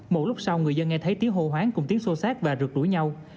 một lúc sau người dân nghe thấy tiếng hô hoáng cùng tiếng sô sát và rượt đuổi nhau